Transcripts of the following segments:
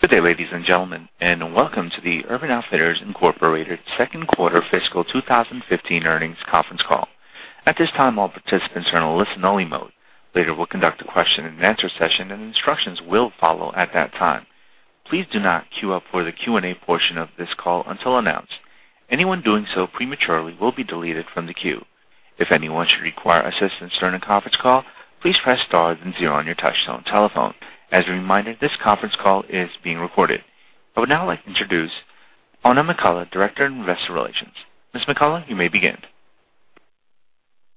Good day, ladies and gentlemen, welcome to the Urban Outfitters, Inc. second quarter fiscal 2015 earnings conference call. At this time, all participants are in a listen-only mode. Later, we'll conduct a question and answer session, and instructions will follow at that time. Please do not queue up for the Q&A portion of this call until announced. Anyone doing so prematurely will be deleted from the queue. If anyone should require assistance during the conference call, please press star then zero on your touchtone telephone. As a reminder, this conference call is being recorded. I would now like to introduce Oona McCullough, Director, Investor Relations. Ms. McCullough, you may begin.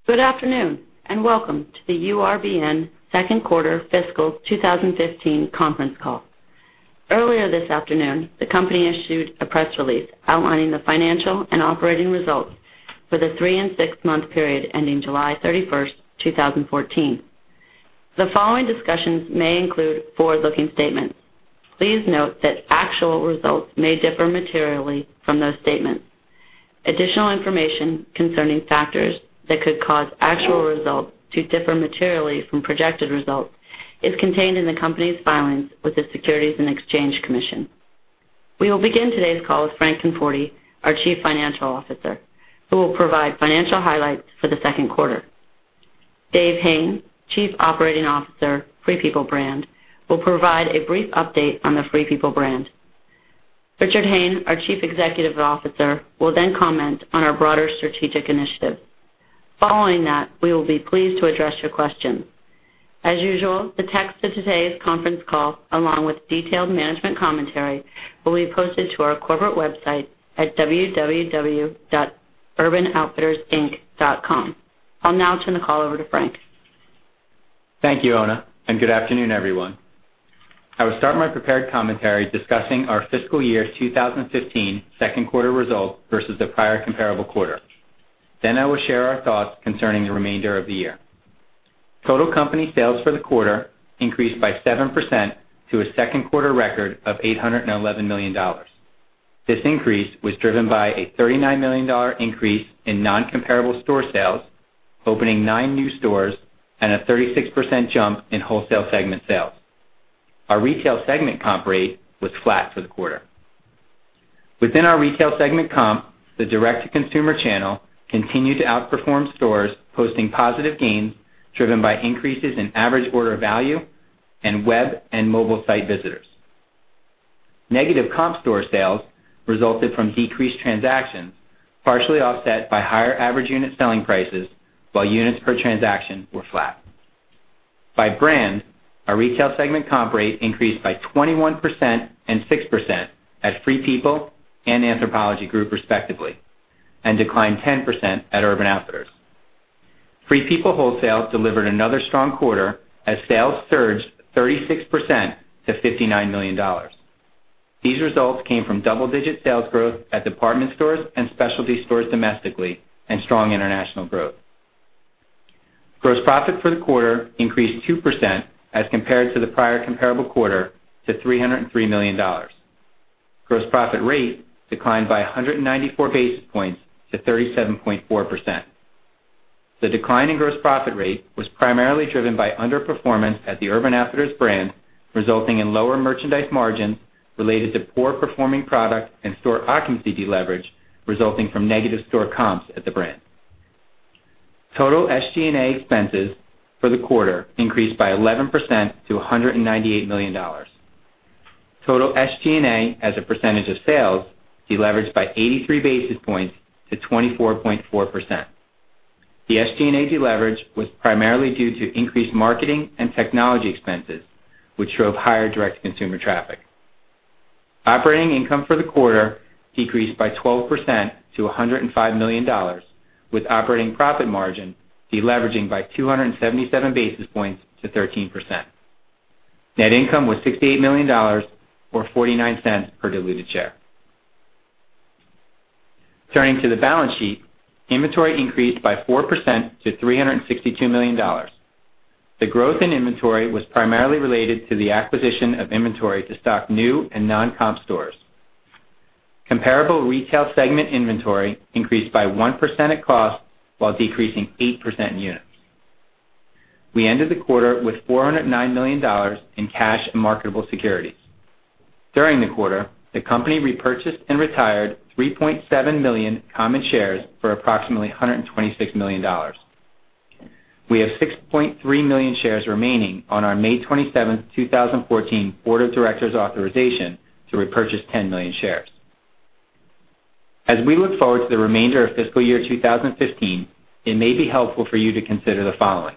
Good afternoon, welcome to the URBN second quarter fiscal 2015 conference call. Earlier this afternoon, the company issued a press release outlining the financial and operating results for the three and six-month period ending July 31, 2014. The following discussions may include forward-looking statements. Please note that actual results may differ materially from those statements. Additional information concerning factors that could cause actual results to differ materially from projected results is contained in the company's filings with the Securities and Exchange Commission. We will begin today's call with Frank Conforti, our Chief Financial Officer, who will provide financial highlights for the second quarter. David Hayne, Chief Operating Officer, Free People brand, will provide a brief update on the Free People brand. Richard Hayne, our Chief Executive Officer, will comment on our broader strategic initiative. Following that, we will be pleased to address your questions. As usual, the text of today's conference call, along with detailed management commentary, will be posted to our corporate website at www.urbanoutfittersinc.com. I'll now turn the call over to Frank. Thank you, Oona, Good afternoon, everyone. I will start my prepared commentary discussing our fiscal year 2015 second quarter results versus the prior comparable quarter. I will share our thoughts concerning the remainder of the year. Total company sales for the quarter increased by 7% to a second quarter record of $811 million. This increase was driven by a $39 million increase in non-comparable store sales, opening nine new stores, and a 36% jump in wholesale segment sales. Our retail segment comp rate was flat for the quarter. Within our retail segment comp, the direct-to-consumer channel continued to outperform stores, posting positive gains driven by increases in average order value and web and mobile site visitors. Negative comp store sales resulted from decreased transactions, partially offset by higher average unit selling prices, while units per transaction were flat. By brand, our retail segment comp rate increased by 21% and 6% at Free People and Anthropologie Group respectively, and declined 10% at Urban Outfitters. Free People wholesale delivered another strong quarter as sales surged 36% to $59 million. These results came from double-digit sales growth at department stores and specialty stores domestically and strong international growth. Gross profit for the quarter increased 2% as compared to the prior comparable quarter to $303 million. Gross profit rate declined by 194 basis points to 37.4%. The decline in gross profit rate was primarily driven by underperformance at the Urban Outfitters brand, resulting in lower merchandise margins related to poor-performing product and store occupancy deleverage resulting from negative store comps at the brand. Total SG&A expenses for the quarter increased by 11% to $198 million. Total SG&A as a percentage of sales deleveraged by 83 basis points to 24.4%. The SG&A deleverage was primarily due to increased marketing and technology expenses, which drove higher direct-to-consumer traffic. Operating income for the quarter decreased by 12% to $105 million, with operating profit margin deleveraging by 277 basis points to 13%. Net income was $68 million, or $0.49 per diluted share. Turning to the balance sheet, inventory increased by 4% to $362 million. The growth in inventory was primarily related to the acquisition of inventory to stock new and non-comp stores. Comparable retail segment inventory increased by 1% at cost while decreasing 8% in units. We ended the quarter with $409 million in cash and marketable securities. During the quarter, the company repurchased and retired 3.7 million common shares for approximately $126 million. We have 6.3 million shares remaining on our May 27th, 2014 Board of Directors authorization to repurchase 10 million shares. As we look forward to the remainder of fiscal year 2015, it may be helpful for you to consider the following.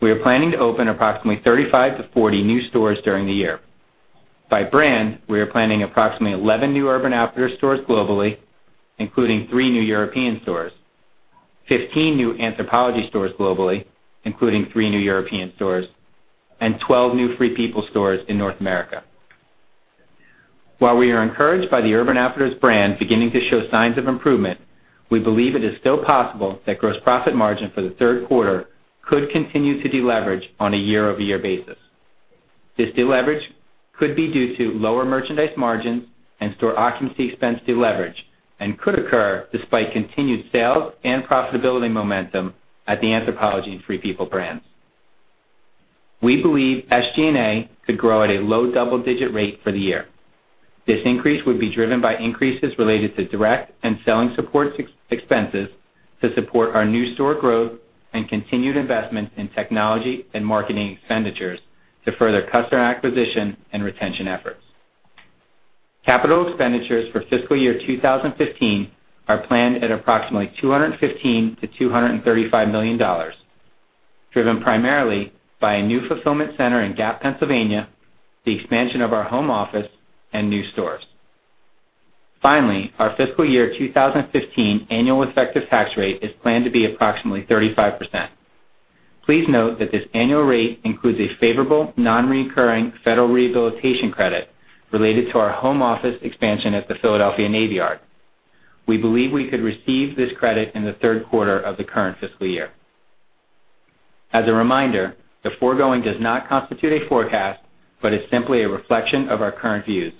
We are planning to open approximately 35 to 40 new stores during the year. By brand, we are planning approximately 11 new Urban Outfitters stores globally, including three new European stores, 15 new Anthropologie stores globally, including three new European stores, and 12 new Free People stores in North America. While we are encouraged by the Urban Outfitters brand beginning to show signs of improvement, we believe it is still possible that gross profit margin for the third quarter could continue to deleverage on a year-over-year basis. This deleverage could be due to lower merchandise margins and store occupancy expense deleverage. It could occur despite continued sales and profitability momentum at the Anthropologie and Free People brands. We believe SG&A could grow at a low double-digit rate for the year. This increase would be driven by increases related to direct and selling support expenses to support our new store growth and continued investments in technology and marketing expenditures to further customer acquisition and retention efforts. Capital expenditures for fiscal year 2015 are planned at approximately $215 million-$235 million, driven primarily by a new fulfillment center in Gap, Pennsylvania, the expansion of our home office, and new stores. Finally, our fiscal year 2015 annual effective tax rate is planned to be approximately 35%. Please note that this annual rate includes a favorable non-recurring federal rehabilitation credit related to our home office expansion at the Philadelphia Navy Yard. We believe we could receive this credit in the third quarter of the current fiscal year. As a reminder, the foregoing does not constitute a forecast, but is simply a reflection of our current views.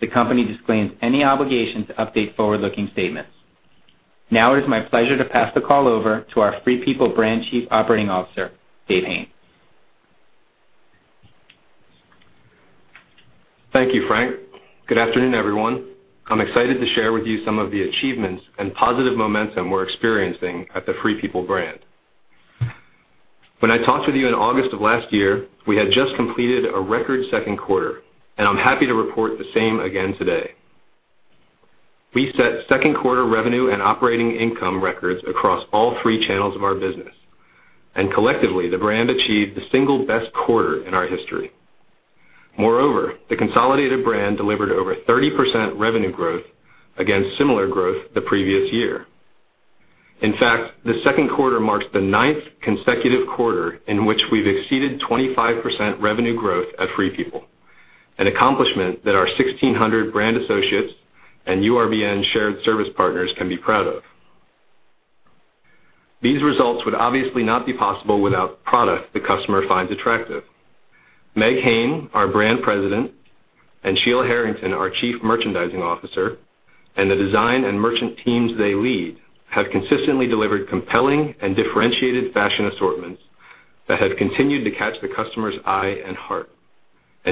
The company disclaims any obligation to update forward-looking statements. Now it is my pleasure to pass the call over to our Free People brand Chief Operating Officer, Dave Hayne. Thank you, Frank. Good afternoon, everyone. I'm excited to share with you some of the achievements and positive momentum we're experiencing at the Free People brand. When I talked with you in August of last year, we had just completed a record second quarter, and I'm happy to report the same again today. We set second quarter revenue and operating income records across all three channels of our business. Collectively, the brand achieved the single best quarter in our history. Moreover, the consolidated brand delivered over 30% revenue growth against similar growth the previous year. In fact, the second quarter marks the ninth consecutive quarter in which we've exceeded 25% revenue growth at Free People, an accomplishment that our 1,600 brand associates and URBN shared service partners can be proud of. These results would obviously not be possible without product the customer finds attractive. Meg Hayne, our Brand President, and Sheila Harrington, our Chief Merchandising Officer, and the design and merchant teams they lead, have consistently delivered compelling and differentiated fashion assortments that have continued to catch the customer's eye and heart.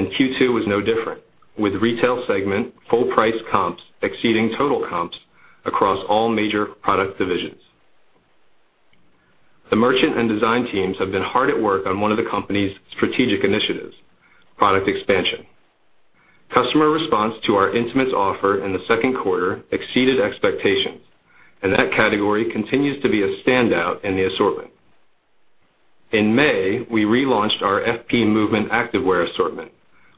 Q2 was no different, with retail segment full price comps exceeding total comps across all major product divisions. The merchant and design teams have been hard at work on one of the company's strategic initiatives, product expansion. Customer response to our intimates offer in the second quarter exceeded expectations. That category continues to be a standout in the assortment. In May, we relaunched our FP Movement activewear assortment,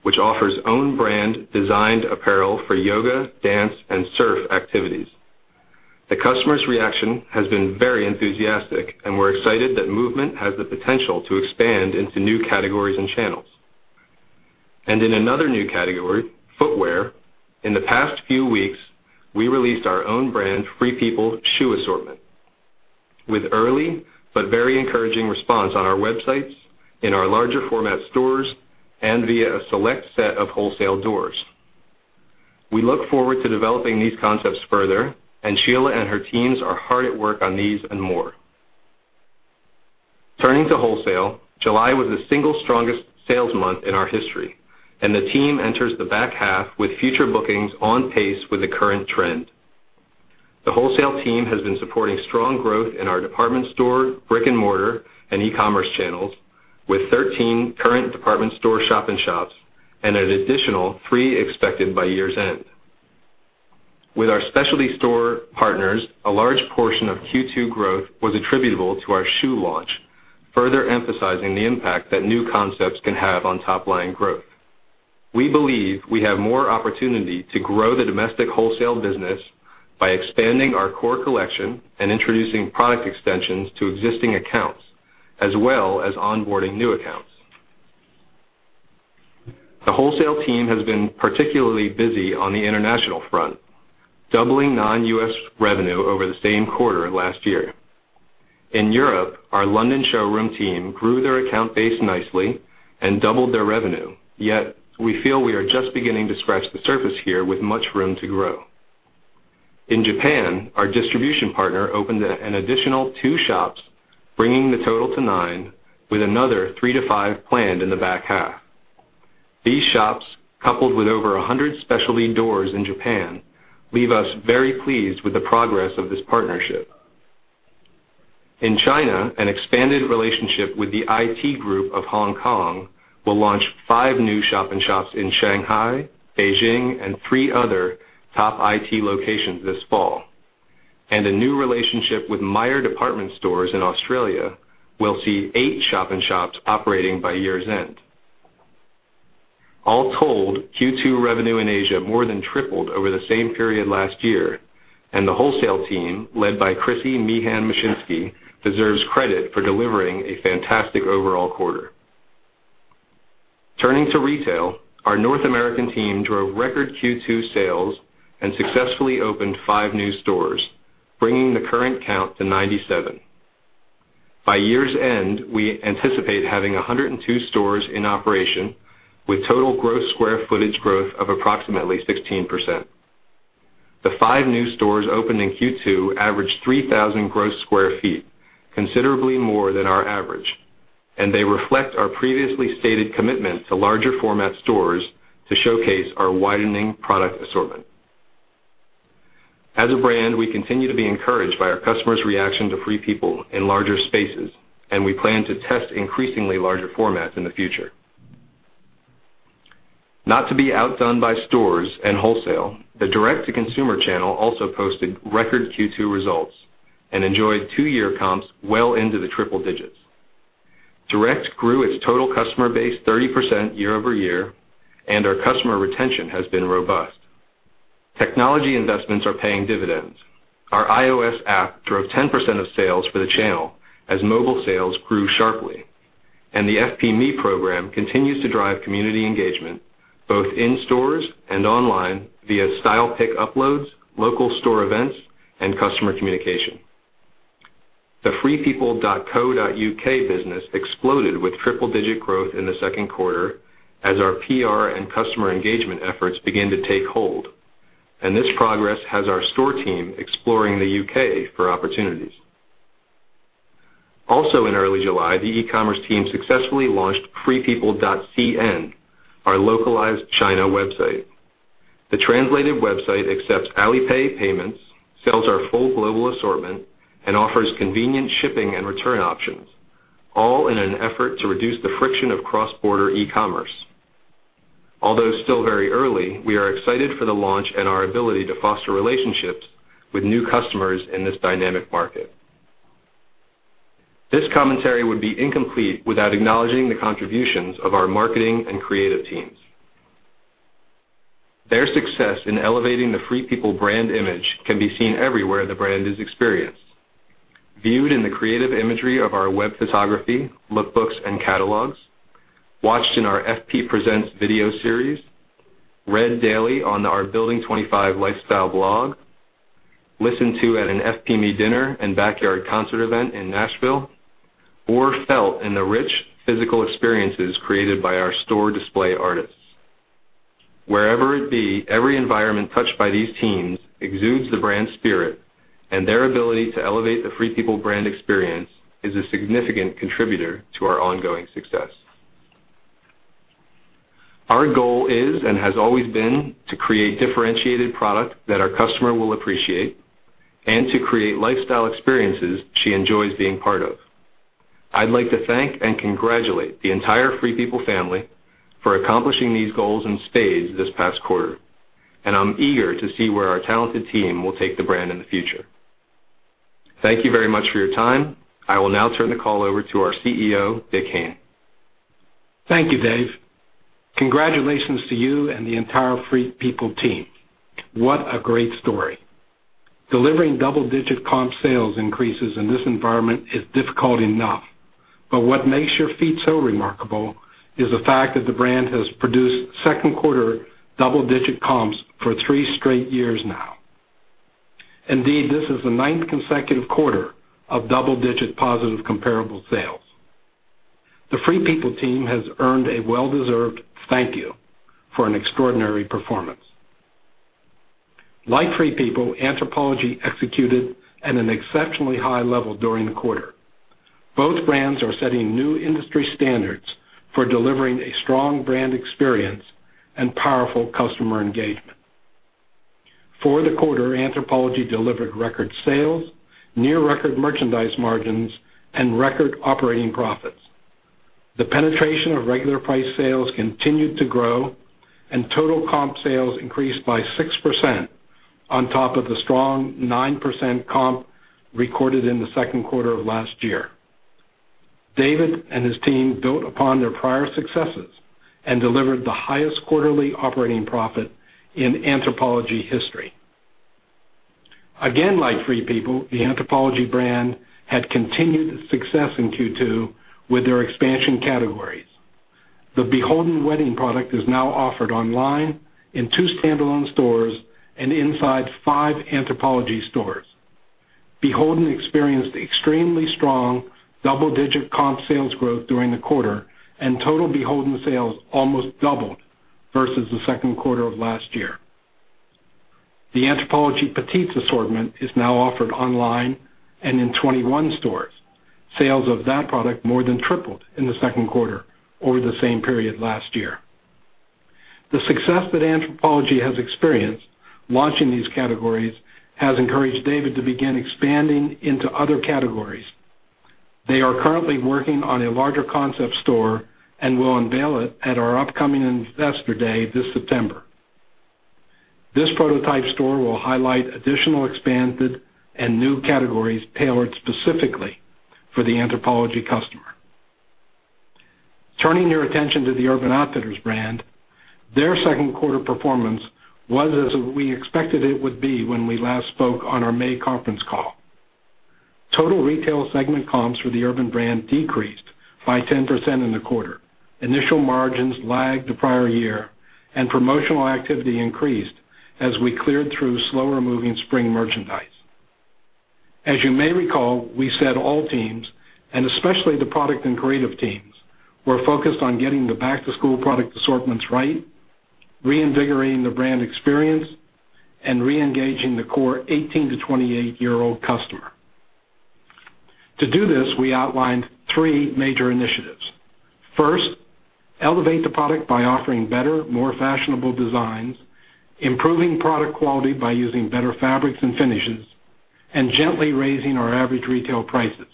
which offers own brand designed apparel for yoga, dance, and surf activities. The customer's reaction has been very enthusiastic. We're excited that Movement has the potential to expand into new categories and channels. In another new category, footwear. In the past few weeks, we released our own brand, Free People Shoe Assortment, with early but very encouraging response on our websites, in our larger format stores, and via a select set of wholesale doors. We look forward to developing these concepts further. Sheila and her teams are hard at work on these and more. Turning to wholesale, July was the single strongest sales month in our history. The team enters the back half with future bookings on pace with the current trend. The wholesale team has been supporting strong growth in our department store, brick and mortar, and e-commerce channels, with 13 current department store shop-in-shops and an additional three expected by year's end. With our specialty store partners, a large portion of Q2 growth was attributable to our shoe launch, further emphasizing the impact that new concepts can have on top-line growth. We believe we have more opportunity to grow the domestic wholesale business by expanding our core collection and introducing product extensions to existing accounts, as well as onboarding new accounts. The wholesale team has been particularly busy on the international front, doubling non-U.S. revenue over the same quarter last year. In Europe, our London showroom team grew their account base nicely and doubled their revenue. Yet, we feel we are just beginning to scratch the surface here with much room to grow. In Japan, our distribution partner opened an additional two shops, bringing the total to nine, with another three to five planned in the back half. These shops, coupled with over 100 specialty doors in Japan, leave us very pleased with the progress of this partnership. In China, an expanded relationship with the I.T Group of Hong Kong will launch five new shop-in-shops in Shanghai, Beijing, and three other top I.T locations this fall. A new relationship with Myer department stores in Australia will see eight shop-in-shops operating by year's end. All told, Q2 revenue in Asia more than tripled over the same period last year, and the wholesale team, led by Krissy Meehan Mashinsky, deserves credit for delivering a fantastic overall quarter. Turning to retail, our North American team drove record Q2 sales and successfully opened five new stores, bringing the current count to 97. By year's end, we anticipate having 102 stores in operation, with total gross square footage growth of approximately 16%. The five new stores opened in Q2 averaged 3,000 gross sq ft, considerably more than our average, and they reflect our previously stated commitment to larger format stores to showcase our widening product assortment. As a brand, we continue to be encouraged by our customers' reaction to Free People in larger spaces, and we plan to test increasingly larger formats in the future. Not to be outdone by stores and wholesale, the direct-to-consumer channel also posted record Q2 results and enjoyed two-year comps well into the triple digits. Direct grew its total customer base 30% year-over-year, and our customer retention has been robust. Technology investments are paying dividends. Our iOS app drove 10% of sales for the channel as mobile sales grew sharply, and the FP Me program continues to drive community engagement both in stores and online via style pick uploads, local store events, and customer communication. The freepeople.co.uk business exploded with triple-digit growth in the second quarter as our PR and customer engagement efforts began to take hold. This progress has our store team exploring the U.K. for opportunities. Also, in early July, the e-commerce team successfully launched freepeople.cn, our localized China website. The translated website accepts Alipay payments, sells our full global assortment, and offers convenient shipping and return options, all in an effort to reduce the friction of cross-border e-commerce. Although still very early, we are excited for the launch and our ability to foster relationships with new customers in this dynamic market. This commentary would be incomplete without acknowledging the contributions of our marketing and creative teams. Their success in elevating the Free People brand image can be seen everywhere the brand is experienced: viewed in the creative imagery of our web photography, look books, and catalogs, watched in our FP Presents video series, read daily on our BLDG 25 lifestyle blog, listened to at an FP Me dinner and backyard concert event in Nashville, or felt in the rich physical experiences created by our store display artists. Wherever it be, every environment touched by these teams exudes the brand spirit and their ability to elevate the Free People brand experience is a significant contributor to our ongoing success. Our goal is and has always been to create differentiated product that our customer will appreciate and to create lifestyle experiences she enjoys being part of. I'd like to thank and congratulate the entire Free People family for accomplishing these goals in spades this past quarter. I'm eager to see where our talented team will take the brand in the future. Thank you very much for your time. I will now turn the call over to our CEO, Dick Hayne. Thank you, Dave. Congratulations to you and the entire Free People team. What a great story. Delivering double-digit comp sales increases in this environment is difficult enough. What makes your feat so remarkable is the fact that the brand has produced second quarter double-digit comps for three straight years now. Indeed, this is the ninth consecutive quarter of double-digit positive comparable sales. The Free People team has earned a well-deserved thank you for an extraordinary performance. Like Free People, Anthropologie executed at an exceptionally high level during the quarter. Both brands are setting new industry standards for delivering a strong brand experience and powerful customer engagement. For the quarter, Anthropologie delivered record sales, near-record merchandise margins, and record operating profits. The penetration of regular price sales continued to grow. Total comp sales increased by 6% on top of the strong 9% comp recorded in the second quarter of last year. David and his team built upon their prior successes and delivered the highest quarterly operating profit in Anthropologie history. Again, like Free People, the Anthropologie brand had continued success in Q2 with their expansion categories. The BHLDN wedding product is now offered online, in two standalone stores, and inside five Anthropologie stores. BHLDN experienced extremely strong, double-digit comp sales growth during the quarter. Total BHLDN sales almost doubled versus the second quarter of last year. The Anthropologie Petites assortment is now offered online and in 21 stores. Sales of that product more than tripled in the second quarter over the same period last year. The success that Anthropologie has experienced launching these categories has encouraged David to begin expanding into other categories. They are currently working on a larger concept store and will unveil it at our upcoming Investor Day this September. This prototype store will highlight additional expanded and new categories tailored specifically for the Anthropologie customer. Turning your attention to the Urban Outfitters brand, their second quarter performance was as we expected it would be when we last spoke on our May conference call. Total retail segment comps for the Urban brand decreased by 10% in the quarter. Initial margins lagged the prior year, and promotional activity increased as we cleared through slower-moving spring merchandise. As you may recall, we said all teams, and especially the product and creative teams, were focused on getting the back-to-school product assortments right, reinvigorating the brand experience, and reengaging the core 18- to 28-year-old customer. To do this, we outlined three major initiatives. First, elevate the product by offering better, more fashionable designs, improving product quality by using better fabrics and finishes, and gently raising our average retail prices.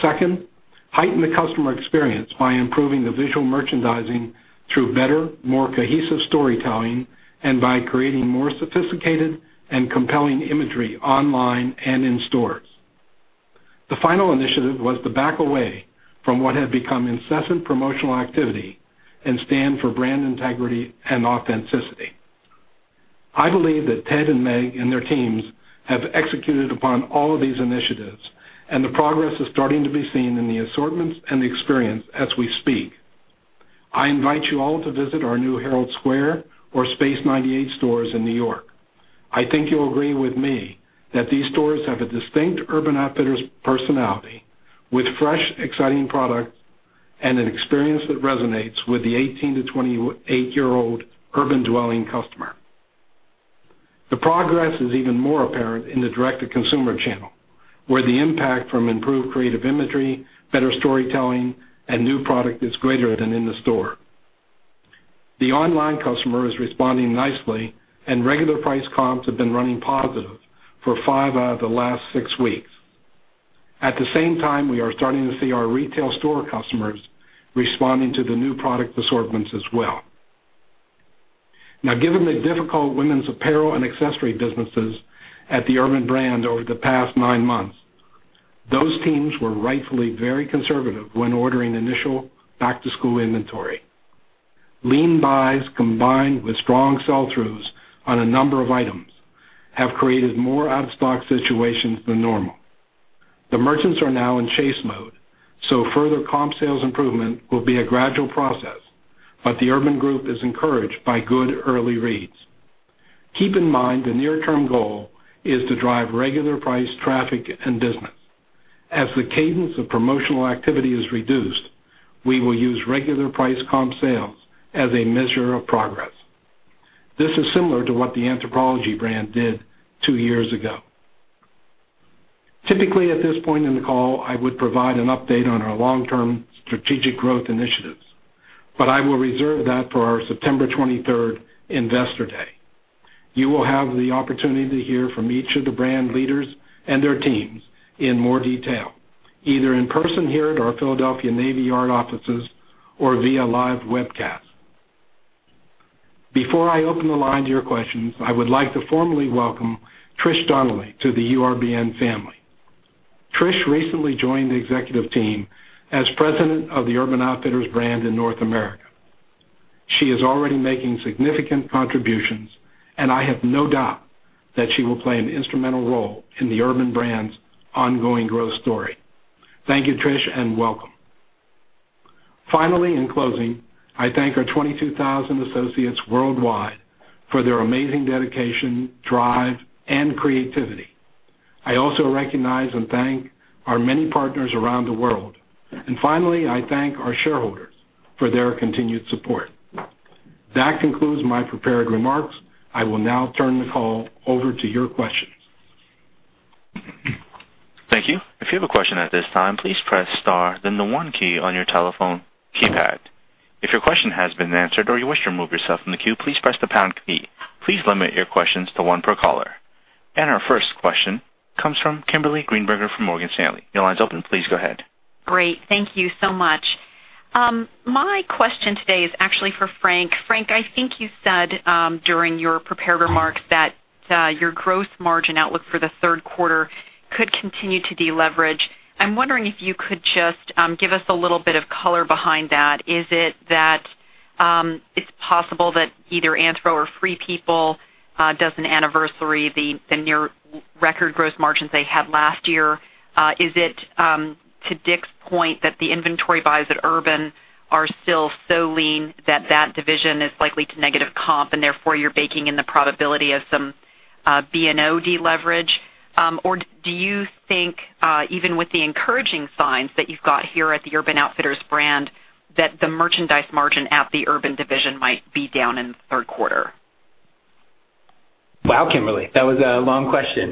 Second, heighten the customer experience by improving the visual merchandising through better, more cohesive storytelling and by creating more sophisticated and compelling imagery online and in stores. The final initiative was to back away from what had become incessant promotional activity and stand for brand integrity and authenticity. I believe that Ted and Meg and their teams have executed upon all of these initiatives, and the progress is starting to be seen in the assortments and the experience as we speak. I invite you all to visit our new Herald Square or Space Ninety 8 stores in New York. I think you'll agree with me that these stores have a distinct Urban Outfitters personality with fresh, exciting products and an experience that resonates with the 18- to 28-year-old urban-dwelling customer. The progress is even more apparent in the direct-to-consumer channel, where the impact from improved creative imagery, better storytelling, and new product is greater than in the store. The online customer is responding nicely, and regular price comps have been running positive for five out of the last six weeks. At the same time, we are starting to see our retail store customers responding to the new product assortments as well. Given the difficult women's apparel and accessory businesses at the Urban brand over the past nine months, those teams were rightfully very conservative when ordering initial back-to-school inventory. Lean buys combined with strong sell-throughs on a number of items have created more out-of-stock situations than normal. The merchants are now in chase mode, further comp sales improvement will be a gradual process, the Urban group is encouraged by good early reads. Keep in mind the near-term goal is to drive regular price traffic and business. As the cadence of promotional activity is reduced, we will use regular price comp sales as a measure of progress. This is similar to what the Anthropologie brand did two years ago. Typically, at this point in the call, I would provide an update on our long-term strategic growth initiatives, I will reserve that for our September 23rd investor day. You will have the opportunity to hear from each of the brand leaders and their teams in more detail, either in person here at our Philadelphia Navy Yard offices or via live webcast. Before I open the line to your questions, I would like to formally welcome Trish Donnelly to the URBN family. Trish recently joined the executive team as president of the Urban Outfitters brand in North America. She is already making significant contributions, and I have no doubt that she will play an instrumental role in the Urban brand's ongoing growth story. Thank you, Trish, and welcome. Finally, in closing, I thank our 22,000 associates worldwide for their amazing dedication, drive, and creativity. I also recognize and thank our many partners around the world. Finally, I thank our shareholders for their continued support. That concludes my prepared remarks. I will now turn the call over to your questions. Thank you. If you have a question at this time, please press star, then the one key on your telephone keypad. If your question has been answered or you wish to remove yourself from the queue, please press the pound key. Please limit your questions to one per caller. Our first question comes from Kimberly Greenberger from Morgan Stanley. Your line's open. Please go ahead. Great. Thank you so much. My question today is actually for Frank. Frank, I think you said during your prepared remarks that your gross margin outlook for the third quarter could continue to deleverage. I'm wondering if you could just give us a little bit of color behind that. Is it that it's possible that either Anthro or Free People doesn't anniversary the near-record gross margins they had last year? Is it to Dick's point that the inventory buys at Urban are still so lean that that division is likely to negative comp, and therefore, you're baking in the probability of some B&O deleverage? Or do you think, even with the encouraging signs that you've got here at the Urban Outfitters brand, that the merchandise margin at the Urban division might be down in the third quarter? Wow, Kimberly. That was a long question.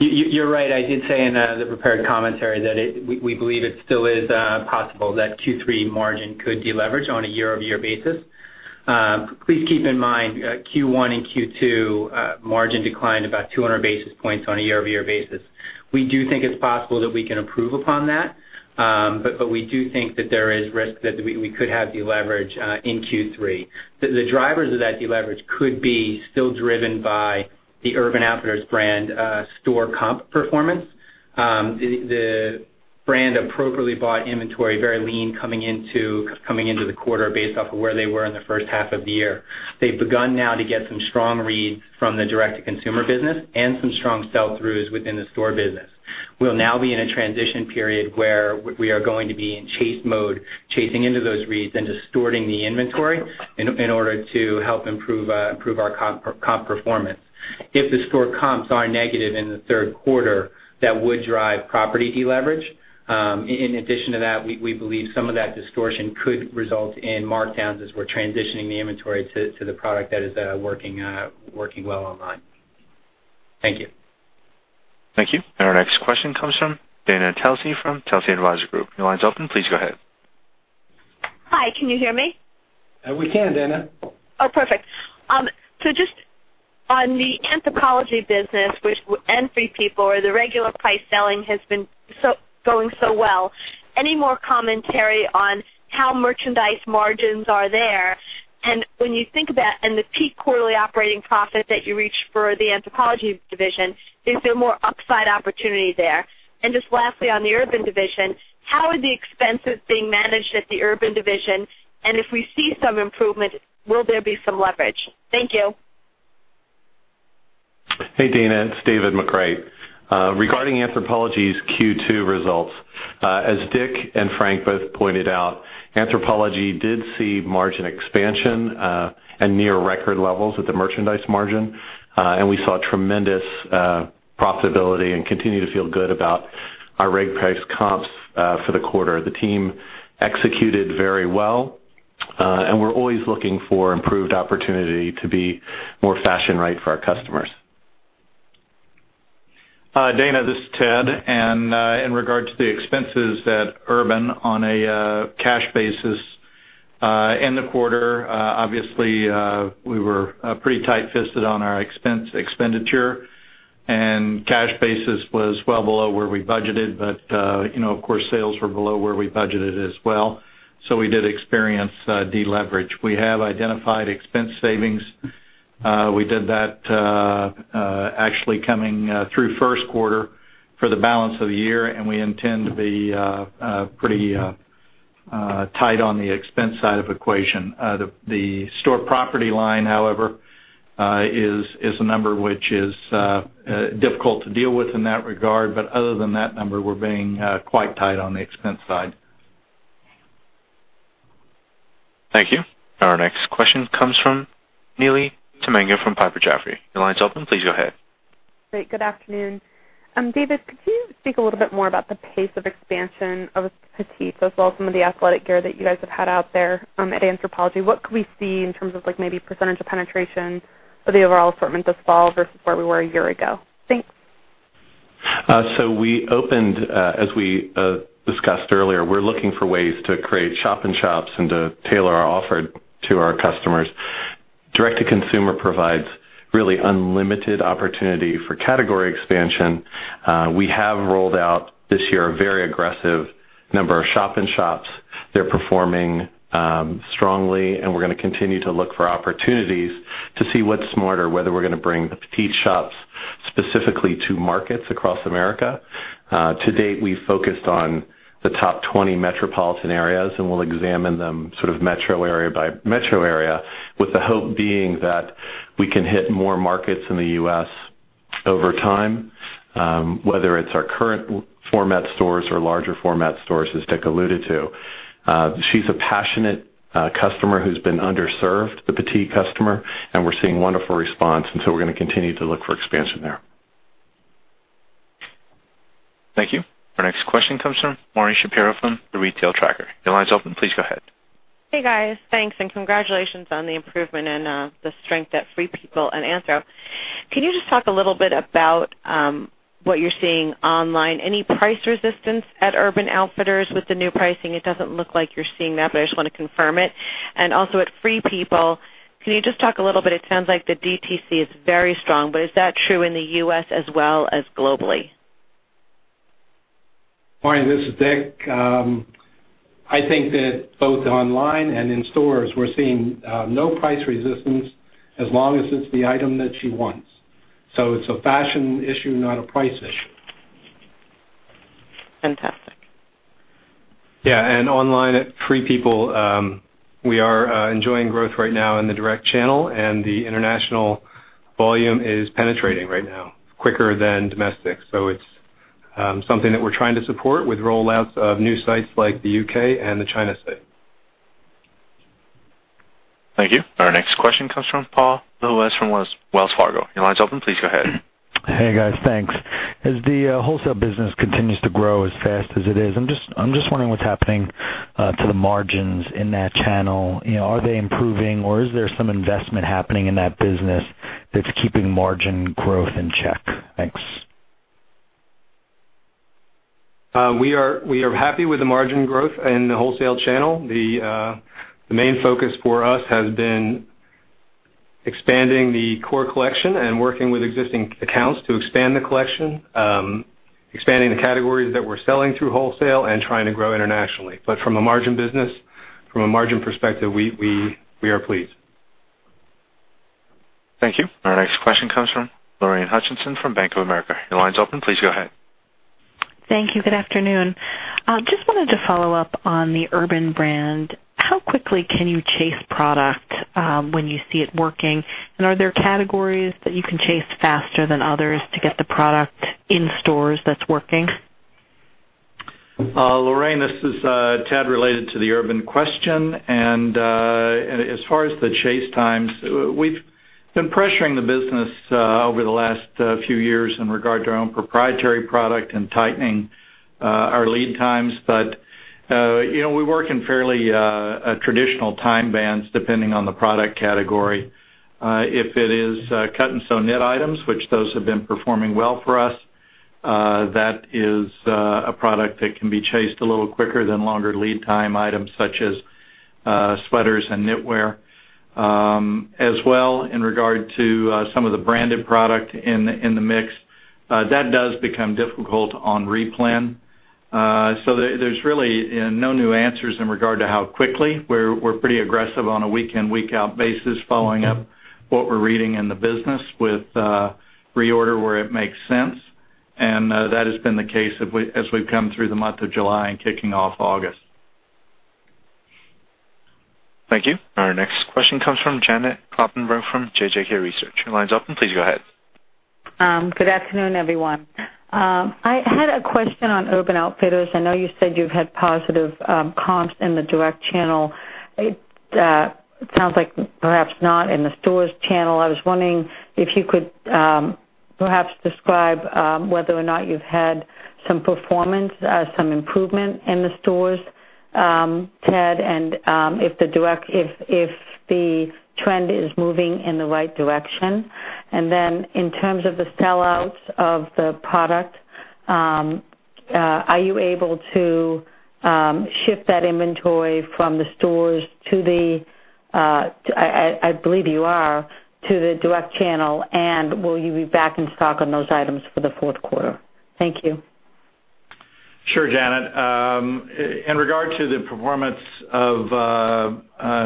You're right. I did say in the prepared commentary that we believe it still is possible that Q3 margin could deleverage on a year-over-year basis. Please keep in mind, Q1 and Q2 margin declined about 200 basis points on a year-over-year basis. We do think it's possible that we can improve upon that, but we do think that there is risk that we could have deleverage in Q3. The drivers of that deleverage could be still driven by the Urban Outfitters brand store comp performance. The brand appropriately bought inventory very lean coming into the quarter based off of where they were in the first half of the year. They've begun now to get some strong reads from the direct-to-consumer business and some strong sell-throughs within the store business. We'll now be in a transition period where we are going to be in chase mode, chasing into those reads and distorting the inventory in order to help improve our comp performance. If the store comps are negative in the third quarter, that would drive property deleverage. In addition to that, we believe some of that distortion could result in markdowns as we're transitioning the inventory to the product that is working well online. Thank you. Thank you. Our next question comes from Dana Telsey from Telsey Advisory Group. Your line's open. Please go ahead. Hi, can you hear me? We can, Dana. Perfect. Just on the Anthropologie business, which, and Free People, where the regular price selling has been going so well, any more commentary on how merchandise margins are there? When you think about, the peak quarterly operating profit that you reached for the Anthropologie division, is there more upside opportunity there? Just lastly, on the Urban division, how are the expenses being managed at the Urban division? If we see some improvement, will there be some leverage? Thank you. Hey, Dana, it's David McCreight. Regarding Anthropologie's Q2 results, as Dick and Frank both pointed out, Anthropologie did see margin expansion, near record levels with the merchandise margin. We saw tremendous profitability and continue to feel good about our reg price comps for the quarter. The team executed very well, and we're always looking for improved opportunity to be more fashion right for our customers. Hi, Dana, this is Ted. In regard to the expenses at Urban on a cash basis, in the quarter, obviously, we were pretty tight-fisted on our expense expenditure, and cash basis was well below where we budgeted. Of course, sales were below where we budgeted as well. We did experience deleverage. We have identified expense savings. We did that actually coming through first quarter for the balance of the year, and we intend to be pretty tight on the expense side of equation. The store property line, however, is a number which is difficult to deal with in that regard, but other than that number, we're being quite tight on the expense side. Thank you. Our next question comes from Neely Tamminga from Piper Jaffray. Your line's open. Please go ahead. Great. Good afternoon. David, could you speak a little bit more about the pace of expansion of Petites as well as some of the athletic gear that you guys have had out there at Anthropologie. What could we see in terms of maybe % of penetration of the overall assortment this fall versus where we were a year ago? Thanks. We opened, as we discussed earlier, we're looking for ways to create shop in shops and to tailor our offer to our customers. Direct-to-consumer provides really unlimited opportunity for category expansion. We have rolled out this year a very aggressive number of shop in shops. They're performing strongly, and we're going to continue to look for opportunities to see what's smarter, whether we're going to bring the Petites shops specifically to markets across America. To date, we've focused on the top 20 metropolitan areas, and we'll examine them metro area by metro area, with the hope being that we can hit more markets in the U.S. over time, whether it's our current format stores or larger format stores, as Dick alluded to. She's a passionate customer who's been underserved, the Petites customer, and we're going to continue to look for expansion there. Thank you. Our next question comes from Marni Shapiro from The Retail Tracker. Your line's open. Please go ahead. Hey, guys. Thanks. Congratulations on the improvement and the strength at Free People and Anthro. Can you just talk a little bit about what you're seeing online? Any price resistance at Urban Outfitters with the new pricing? It doesn't look like you're seeing that, but I just want to confirm it. Also at Free People, can you just talk a little bit, it sounds like the DTC is very strong, but is that true in the U.S. as well as globally? Marni, this is Dick. I think that both online and in stores, we're seeing no price resistance as long as it's the item that she wants. It's a fashion issue, not a price issue. Fantastic. Yeah, online at Free People, we are enjoying growth right now in the direct channel, the international volume is penetrating right now quicker than domestic. It's something that we're trying to support with rollouts of new sites like the U.K. and the China site. Thank you. Our next question comes from Paul Lejuez from Wells Fargo. Your line's open. Please go ahead. Hey, guys. Thanks. As the wholesale business continues to grow as fast as it is, I'm just wondering what's happening to the margins in that channel. Are they improving, or is there some investment happening in that business that's keeping margin growth in check? Thanks. We are happy with the margin growth in the wholesale channel. The main focus for us has been expanding the core collection and working with existing accounts to expand the collection. Expanding the categories that we're selling through wholesale and trying to grow internationally. From a margin business, from a margin perspective, we are pleased. Thank you. Our next question comes from Lorraine Hutchinson from Bank of America. Your line's open. Please go ahead. Thank you. Good afternoon. Just wanted to follow up on the Urban brand. How quickly can you chase product when you see it working? Are there categories that you can chase faster than others to get the product in stores that's working? Lorraine, this is Ted, related to the Urban question. As far as the chase times, we've been pressuring the business over the last few years in regard to our own proprietary product and tightening our lead times. We work in fairly traditional time bands, depending on the product category. If it is cut and sew knit items, which those have been performing well for us, that is a product that can be chased a little quicker than longer lead time items such as sweaters and knitwear. As well, in regard to some of the branded product in the mix, that does become difficult on re-plan. There's really no new answers in regard to how quickly. We're pretty aggressive on a week in, week out basis, following up what we're reading in the business with reorder where it makes sense. That has been the case as we've come through the month of July and kicking off August. Thank you. Our next question comes from Janet Kloppenburg from JJK Research. Your line's open. Please go ahead. Good afternoon, everyone. I had a question on Urban Outfitters. I know you said you've had positive comps in the direct channel. It sounds like perhaps not in the stores channel. I was wondering if you could perhaps describe whether or not you've had some performance, some improvement in the stores, Ted, and if the trend is moving in the right direction. Then in terms of the sellouts of the product, are you able to shift that inventory from the stores to the, I believe you are, to the direct channel, and will you be back in stock on those items for the fourth quarter? Thank you. Sure, Janet. In regard to the performance of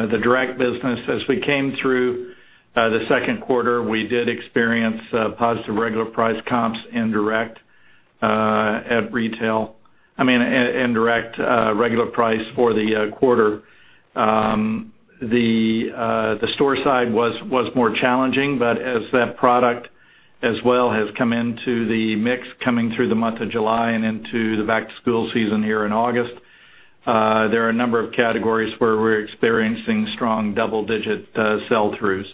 the direct business, as we came through the second quarter, we did experience positive regular price comps in direct at retail. I mean, in direct regular price for the quarter. The store side was more challenging, but as that product as well has come into the mix coming through the month of July and into the back-to-school season here in August, there are a number of categories where we're experiencing strong double-digit sell-throughs.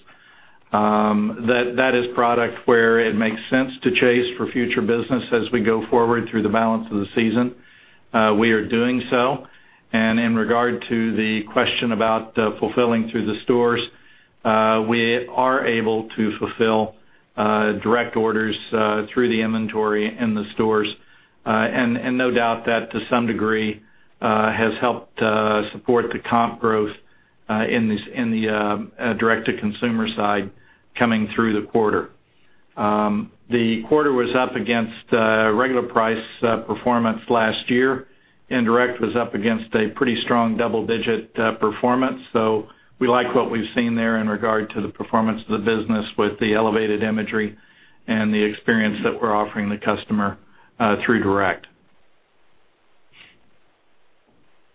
That is product where it makes sense to chase for future business as we go forward through the balance of the season. We are doing so. In regard to the question about fulfilling through the stores, we are able to fulfill direct orders through the inventory in the stores. No doubt that, to some degree, has helped support the comp growth in the direct-to-consumer side coming through the quarter. The quarter was up against regular price performance last year. Indirect was up against a pretty strong double-digit performance. We like what we've seen there in regard to the performance of the business with the elevated imagery and the experience that we're offering the customer through direct.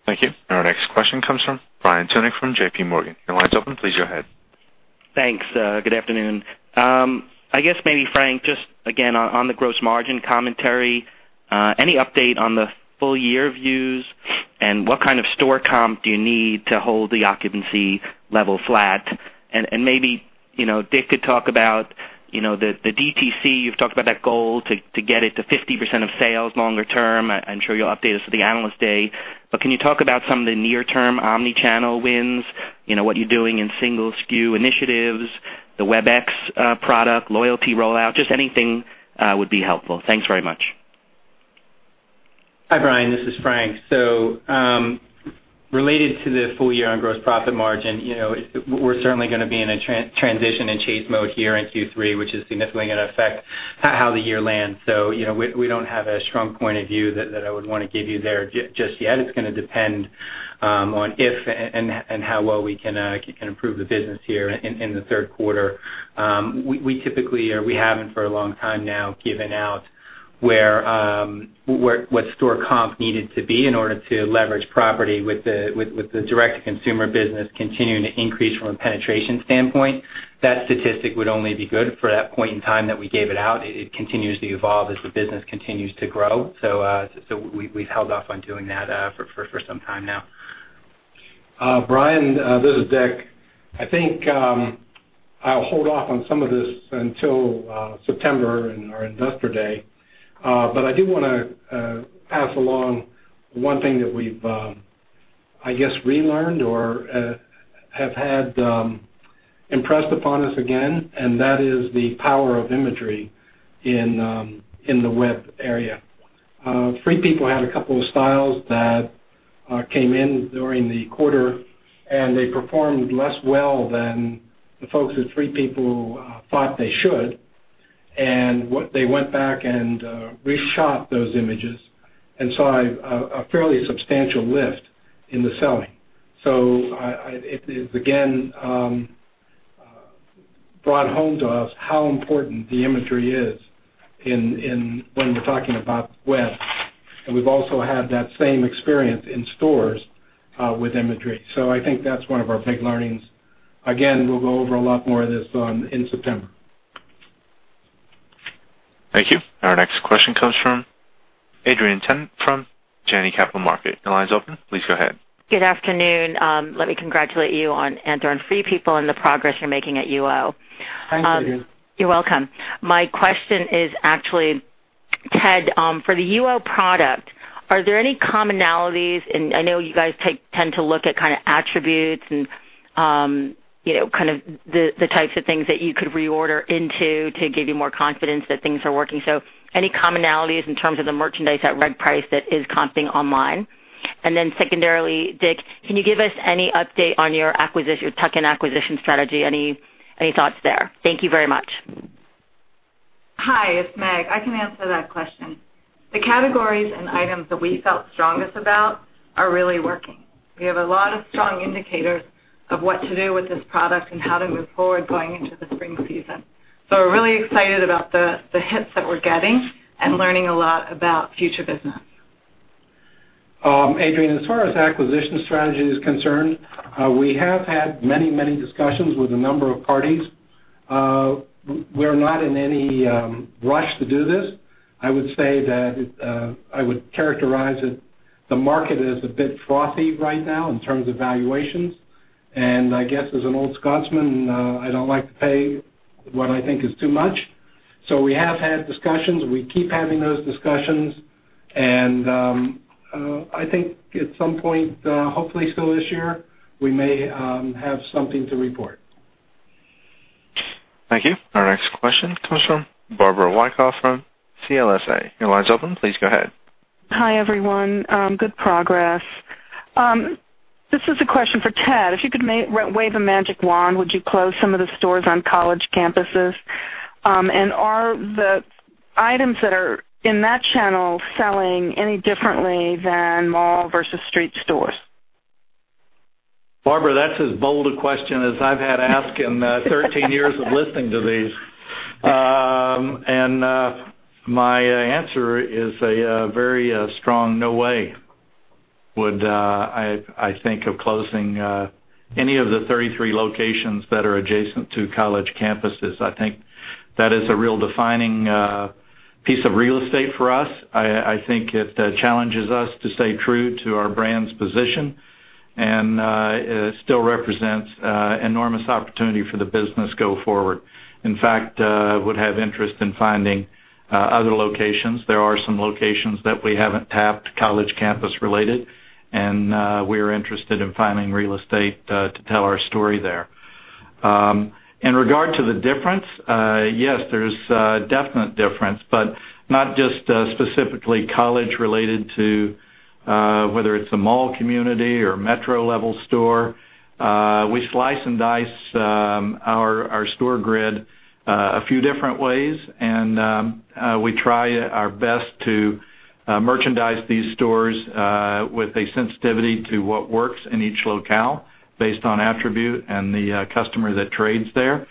Thank you. Our next question comes from Brian Tunick from JP Morgan. Your line's open. Please go ahead. Thanks. Good afternoon. I guess maybe Frank, just again on the gross margin commentary, any update on the full year views and what kind of store comp do you need to hold the occupancy level flat? Maybe Dick could talk about the DTC. You've talked about that goal to get it to 50% of sales longer term. I'm sure you'll update us at the Analyst Day. Can you talk about some of the near-term omni-channel wins, what you're doing in single SKU initiatives, the web-exclusive product, loyalty rollout? Just anything would be helpful. Thanks very much. Hi, Brian. This is Frank. Related to the full year on gross profit margin, we're certainly going to be in a transition and chase mode here in Q3, which is significantly going to affect how the year lands. We don't have a strong point of view that I would want to give you there just yet. It's going to depend on if and how well we can improve the business here in the third quarter. We haven't for a long time now given out what store comp needed to be in order to leverage property with the direct-to-consumer business continuing to increase from a penetration standpoint. That statistic would only be good for that point in time that we gave it out. It continues to evolve as the business continues to grow. We've held off on doing that for some time now. Brian, this is Dick. I think I'll hold off on some of this until September and our Investor Day. I do want to pass along one thing that we've, I guess, relearned or have had impressed upon us again, and that is the power of imagery in the web area. Free People had a couple of styles that came in during the quarter, and they performed less well than the folks at Free People thought they should. They went back and reshot those images and saw a fairly substantial lift in the selling. It is, again Brought home to us how important the imagery is when we're talking about web. We've also had that same experience in stores, with imagery. I think that's one of our big learnings. Again, we'll go over a lot more of this in September. Thank you. Our next question comes from Adrienne Horen from Janney Capital Markets. Your line's open. Please go ahead. Good afternoon. Let me congratulate you on Anthro and Free People and the progress you're making at UO. Thanks, Adrienne. You're welcome. My question is actually, Ted, for the UO product, are there any commonalities, and I know you guys tend to look at kind of attributes and the types of things that you could reorder into to give you more confidence that things are working. Any commonalities in terms of the merchandise at reg price that is comping online? And then secondarily, Dick, can you give us any update on your tuck-in acquisition strategy? Any thoughts there? Thank you very much. Hi, it's Meg. I can answer that question. The categories and items that we felt strongest about are really working. We have a lot of strong indicators of what to do with this product and how to move forward going into the spring season. We're really excited about the hits that we're getting and learning a lot about future business. Adrienne, as far as acquisition strategy is concerned, we have had many discussions with a number of parties. We're not in any rush to do this. I would characterize it, the market is a bit frothy right now in terms of valuations. I guess as an old Scotsman, I don't like to pay what I think is too much. We have had discussions. We keep having those discussions. I think at some point, hopefully still this year, we may have something to report. Thank you. Our next question comes from Barbara Wyckoff from CLSA. Your line's open. Please go ahead. Hi, everyone. Good progress. This is a question for Ted. If you could wave a magic wand, would you close some of the stores on college campuses? Are the items that are in that channel selling any differently than mall versus street stores? Barbara, that's as bold a question as I've had asked in 13 years of listening to these. My answer is a very strong no way would I think of closing any of the 33 locations that are adjacent to college campuses. I think that is a real defining piece of real estate for us. I think it challenges us to stay true to our brand's position and still represents enormous opportunity for the business go forward. In fact, I would have interest in finding other locations. There are some locations that we haven't tapped, college campus related. We're interested in finding real estate to tell our story there. In regard to the difference, yes, there's a definite difference, but not just specifically college related to whether it's a mall community or a metro level store. We slice and dice our store grid a few different ways, and we try our best to merchandise these stores with a sensitivity to what works in each locale based on attribute and the customer that trades there.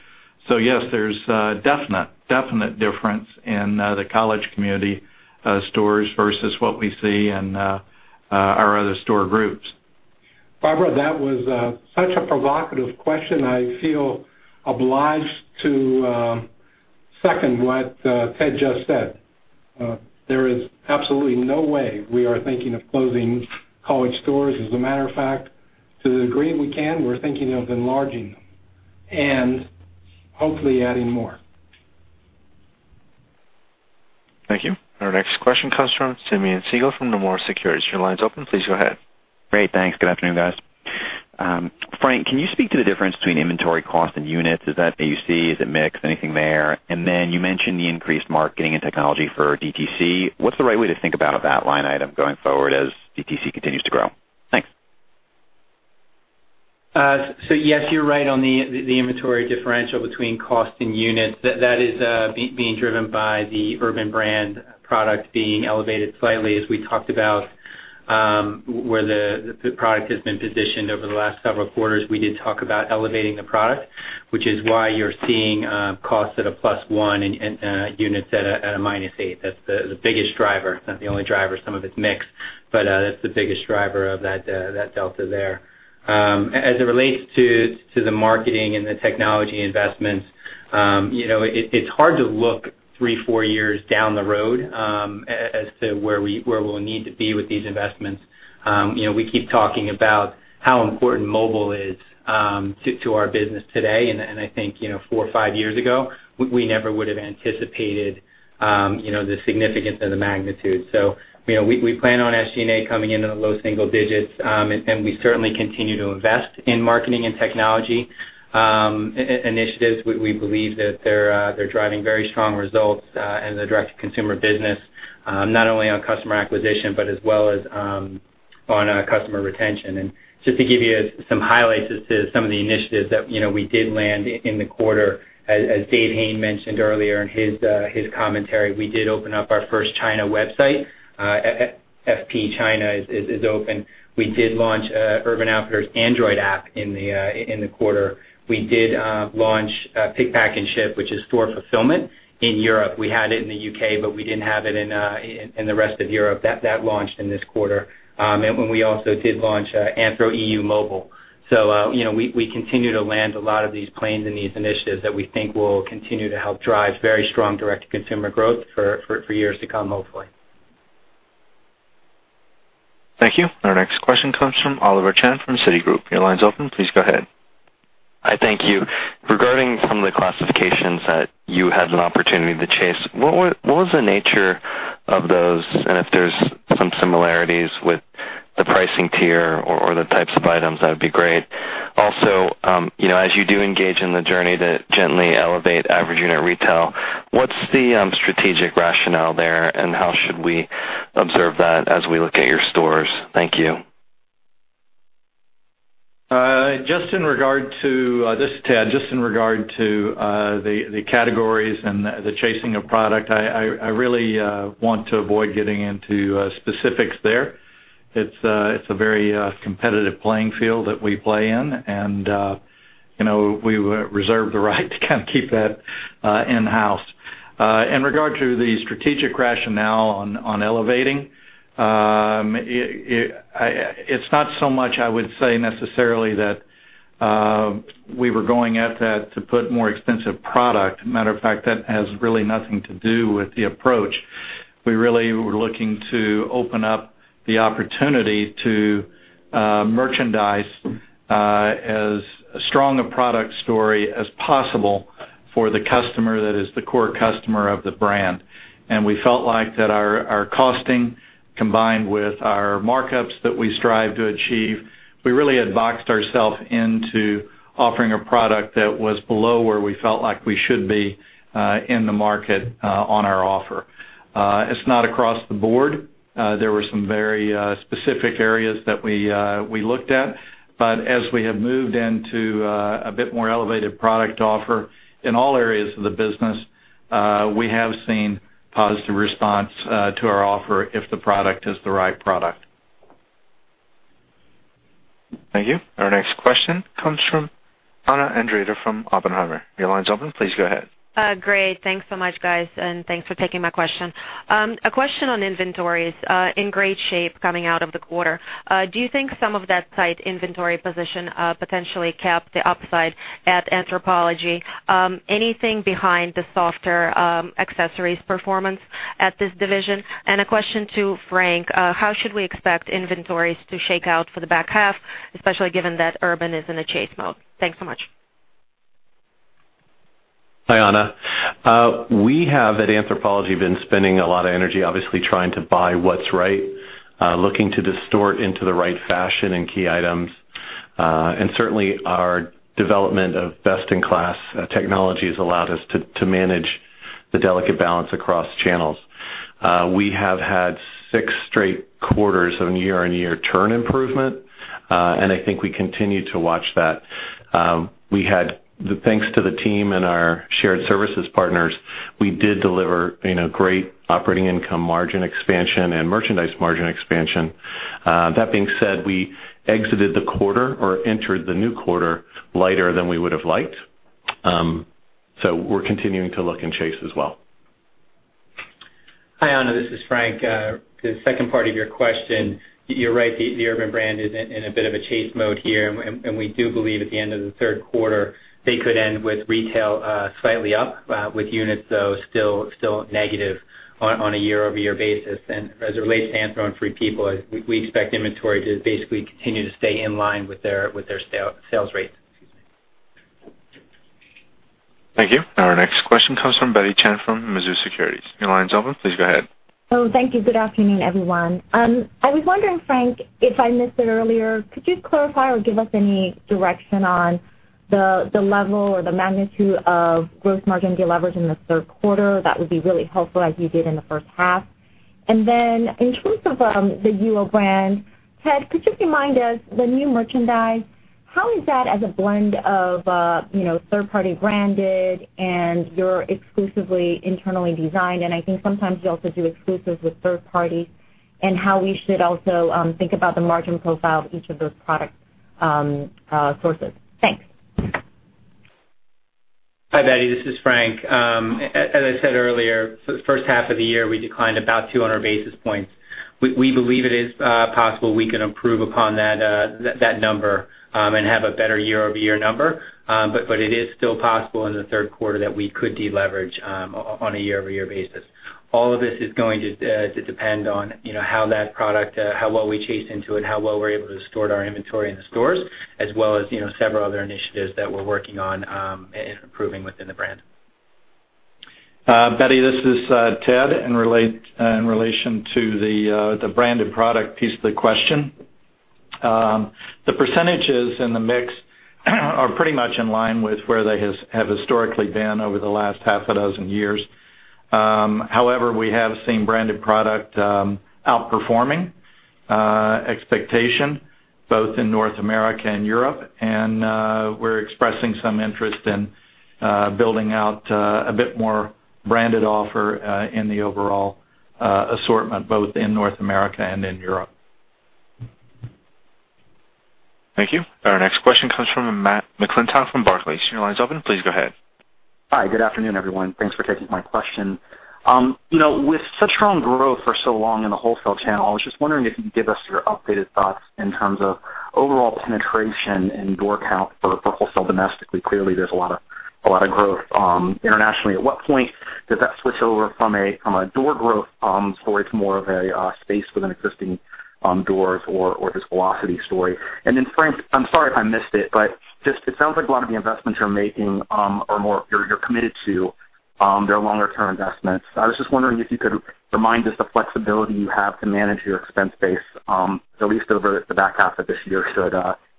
Yes, there's a definite difference in the college community stores versus what we see in our other store groups. Barbara, that was such a provocative question. I feel obliged to second what Ted just said. There is absolutely no way we are thinking of closing college stores. As a matter of fact, to the degree we can, we're thinking of enlarging them and hopefully adding more. Thank you. Our next question comes from Simeon Siegel from Nomura Securities. Your line's open. Please go ahead. Great. Thanks. Good afternoon, guys. Frank, can you speak to the difference between inventory cost and units? Is that AUC? Is it mix? Anything there? Then you mentioned the increased marketing and technology for DTC. What's the right way to think about that line item going forward as DTC continues to grow? Thanks. Yes, you're right on the inventory differential between cost and units. That is being driven by the Urban Outfitters brand product being elevated slightly as we talked about where the product has been positioned over the last several quarters. We did talk about elevating the product, which is why you're seeing costs at a +1 and units at a -8. That's the biggest driver, not the only driver. Some of it's mix, but that's the biggest driver of that delta there. As it relates to the marketing and the technology investments, it's hard to look 3, 4 years down the road, as to where we'll need to be with these investments. We keep talking about how important mobile is to our business today, and I think 4 or 5 years ago, we never would have anticipated the significance and the magnitude. We plan on SG&A coming into the low single digits, and we certainly continue to invest in marketing and technology initiatives. We believe that they're driving very strong results in the direct-to-consumer business. Only on customer acquisition, but as well as on customer retention. Just to give you some highlights as to some of the initiatives that we did land in the quarter, as David Hayne mentioned earlier in his commentary, we did open up our first China website. FP China is open. We did launch Urban Outfitters' Android app in the quarter. We did launch Pick, Pack, and Ship, which is store fulfillment in Europe. We had it in the U.K., but we didn't have it in the rest of Europe. That launched in this quarter. We also did launch Anthro EU Mobile. We continue to land a lot of these planes and these initiatives that we think will continue to help drive very strong direct-to-consumer growth for years to come, hopefully. Thank you. Our next question comes from Oliver Chen from Citigroup. Your line's open. Please go ahead. Hi, thank you. Regarding some of the classifications that you had an opportunity to chase, what was the nature of those? If there's some similarities with the pricing tier or the types of items, that would be great. As you do engage in the journey to gently elevate average unit retail, what's the strategic rationale there, and how should we observe that as we look at your stores? Thank you. Ted, just in regard to the categories and the chasing of product, I really want to avoid getting into specifics there. It's a very competitive playing field that we play in, we reserve the right to keep that in-house. In regard to the strategic rationale on elevating, it's not so much, I would say, necessarily, that we were going at that to put more expensive product. Matter of fact, that has really nothing to do with the approach. We really were looking to open up the opportunity to merchandise as strong a product story as possible for the customer that is the core customer of the brand. We felt like that our costing, combined with our markups that we strive to achieve, we really had boxed ourselves into offering a product that was below where we felt like we should be in the market on our offer. It's not across the board. There were some very specific areas that we looked at. As we have moved into a bit more elevated product offer in all areas of the business, we have seen positive response to our offer if the product is the right product. Thank you. Our next question comes from Anna Andreeva from Oppenheimer. Your line's open. Please go ahead. Great. Thanks so much, guys, and thanks for taking my question. A question on inventories. In great shape coming out of the quarter. Do you think some of that tight inventory position potentially capped the upside at Anthropologie? Anything behind the softer accessories performance at this division? A question to Frank. How should we expect inventories to shake out for the back half, especially given that Urban is in a chase mode? Thanks so much. Hi, Anna. We have, at Anthropologie, been spending a lot of energy, obviously, trying to buy what's right, looking to distort into the right fashion and key items. Certainly, our development of best-in-class technology has allowed us to manage the delicate balance across channels. We have had 6 straight quarters of year-over-year turn improvement, and I think we continue to watch that. Thanks to the team and our shared services partners, we did deliver great operating income margin expansion and merchandise margin expansion. That being said, we exited the quarter or entered the new quarter lighter than we would've liked. We're continuing to look and chase as well. Hi, Anna. This is Frank. The second part of your question, you're right. The Urban brand is in a bit of a chase mode here. We do believe at the end of the third quarter, they could end with retail slightly up, with units, though, still negative on a year-over-year basis. As it relates to Anthro and Free People, we expect inventory to basically continue to stay in line with their sales rates. Thank you. Our next question comes from Betty Chen from Mizuho Securities. Your line's open. Please go ahead. Thank you. Good afternoon, everyone. I was wondering, Frank, if I missed it earlier, could you clarify or give us any direction on the level or the magnitude of gross margin deleverage in the third quarter? That would be really helpful, as you did in the first half. In terms of the UO brand, Ted, could you remind us, the new merchandise, how is that as a blend of third-party branded and your exclusively internally designed, and I think sometimes you also do exclusives with third parties, and how we should also think about the margin profile of each of those product sources? Thanks. Hi, Betty. This is Frank. As I said earlier, for the first half of the year, we declined about 200 basis points. We believe it is possible we can improve upon that number and have a better year-over-year number. It is still possible in the third quarter that we could deleverage on a year-over-year basis. All of this is going to depend on how that product, how well we chase into it, how well we're able to distort our inventory in the stores, as well as several other initiatives that we're working on and improving within the brand. Betty, this is Ted. In relation to the branded product piece of the question. The percentages in the mix are pretty much in line with where they have historically been over the last half a dozen years. However, we have seen branded product outperforming expectation both in North America and Europe. We're expressing some interest in building out a bit more branded offer in the overall assortment, both in North America and in Europe. Thank you. Our next question comes from Matt McClintock from Barclays. Your line's open. Please go ahead. Hi. Good afternoon, everyone. Thanks for taking my question. With such strong growth for so long in the wholesale channel, I was just wondering if you could give us your updated thoughts in terms of overall penetration and door count for wholesale domestically. Clearly, there's a lot of growth internationally. At what point does that switch over from a door growth story to more of a space with an existing doors or just velocity story? Frank, I'm sorry if I missed it, but it sounds like a lot of the investments you're making, you're committed to their longer-term investments. I was just wondering if you could remind us the flexibility you have to manage your expense base at least over the back half of this year should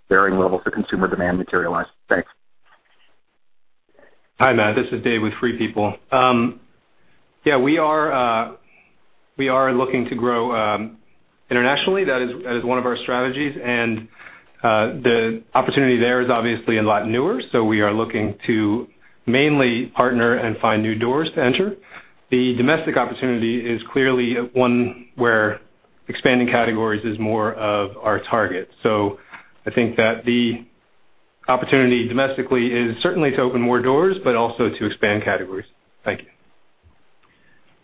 varying levels of consumer demand materialize. Thanks. Hi, Matt. This is Dave with Free People. Yeah, we are looking to grow internationally. That is one of our strategies. The opportunity there is obviously a lot newer, so we are looking to mainly partner and find new doors to enter. The domestic opportunity is clearly one where expanding categories is more of our target. I think that the opportunity domestically is certainly to open more doors, but also to expand categories. Thank you.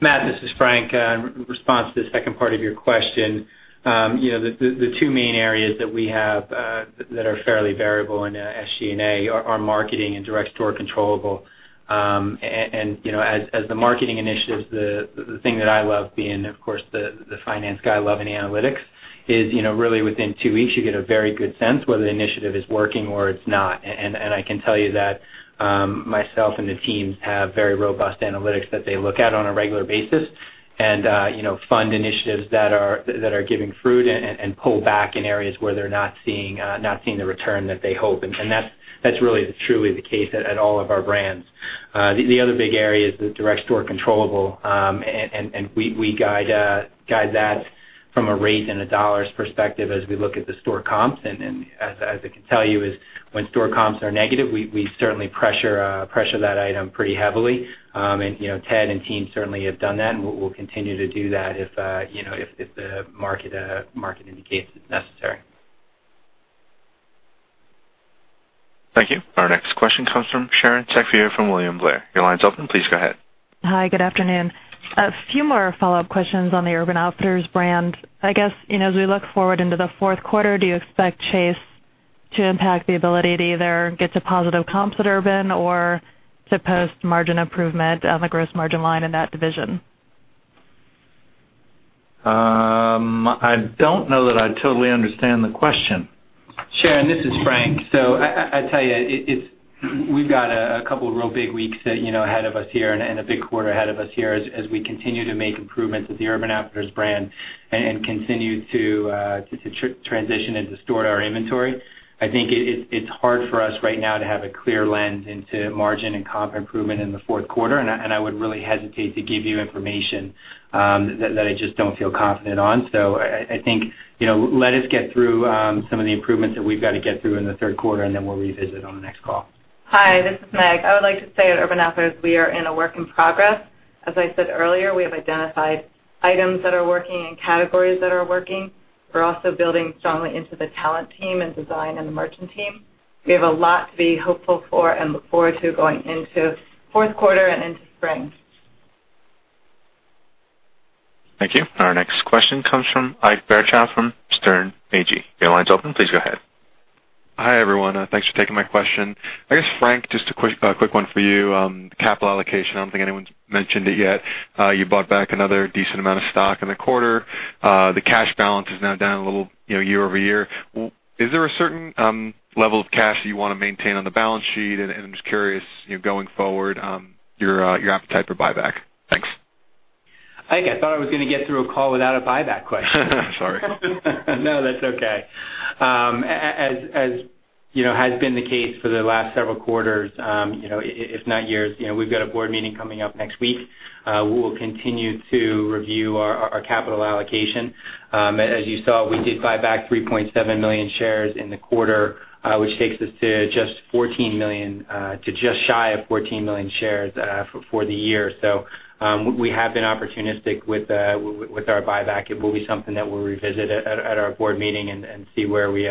Matt, this is Frank. In response to the second part of your question. The two main areas that we have that are fairly variable in SG&A are marketing and direct store controllable. As the marketing initiatives, the thing that I love being, of course, the finance guy, loving analytics is, really within two weeks you get a very good sense whether the initiative is working or it's not. I can tell you that myself and the teams have very robust analytics that they look at on a regular basis and fund initiatives that are giving fruit and pull back in areas where they're not seeing the return that they hope. That's really truly the case at all of our brands. The other big area is the direct store controllable. We guide that from a rate and a $ perspective as we look at the store comps. As I can tell you, is when store comps are negative, we certainly pressure that item pretty heavily. Ted and team certainly have done that and we'll continue to do that if the market indicates it's necessary. Thank you. Our next question comes from Sharon Zackfia from William Blair. Your line's open. Please go ahead. Hi. Good afternoon. A few more follow-up questions on the Urban Outfitters brand. I guess, as we look forward into the fourth quarter, do you expect Chase to impact the ability to either get to positive comps at Urban or to post margin improvement on the gross margin line in that division? I don't know that I totally understand the question. Sharon, this is Frank. I tell you, we've got a couple real big weeks ahead of us here and a big quarter ahead of us here as we continue to make improvements with the Urban Outfitters brand and continue to transition and distort our inventory. I think it's hard for us right now to have a clear lens into margin and comp improvement in the fourth quarter. I would really hesitate to give you information that I just don't feel confident on. I think, let us get through some of the improvements that we've got to get through in the third quarter, and then we'll revisit on the next call. Hi, this is Meg. I would like to say at Urban Outfitters, we are in a work in progress. As I said earlier, we have identified items that are working and categories that are working. We're also building strongly into the talent team and design and the merchant team. We have a lot to be hopeful for and look forward to going into fourth quarter and into spring. Thank you. Our next question comes from Ike Boruchow from Sterne Agee. Your line's open. Please go ahead. Hi, everyone. Thanks for taking my question. I guess, Frank, just a quick one for you. Capital allocation, I don't think anyone's mentioned it yet. You bought back another decent amount of stock in the quarter. The cash balance is now down a little year-over-year. Is there a certain level of cash that you want to maintain on the balance sheet? I'm just curious, going forward, your appetite for buyback. Thanks. Ike, I thought I was going to get through a call without a buyback question. Sorry. No, that's okay. As has been the case for the last several quarters, if not years, we've got a board meeting coming up next week. We will continue to review our capital allocation. As you saw, we did buy back 3.7 million shares in the quarter, which takes us to just shy of 14 million shares for the year. We have been opportunistic with our buyback. It will be something that we'll revisit at our board meeting and see where we